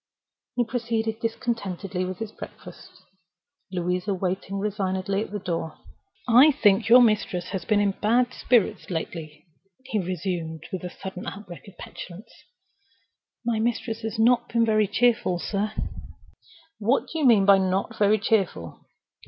He proceeded discontentedly with his breakfast. Louisa waited resignedly at the door. "I think your mistress has been in bad spirits lately," he resumed, with a sudden outbreak of petulance. "My mistress has not been very cheerful, sir." "What do you mean by not very cheerful?